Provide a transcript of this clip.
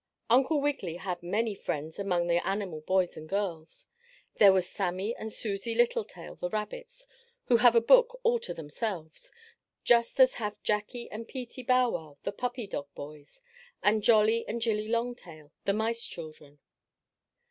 Uncle Wiggily had many friends among the animal boys and girls. There was Sammie and Susie Littletail, the rabbits, who have a book all to themselves; just as have Jackie and Peetie Bow Wow, the puppy dog boys, and Jollie and Jillie Longtail, the mice children.